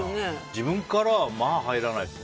自分からはまあ、入らないですね。